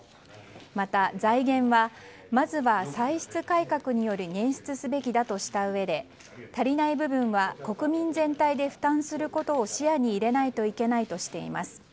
また財源はまずは歳出改革により捻出すべきだとしたうえで足りない部分は国民全体で負担することを視野に入れないといけないとしています。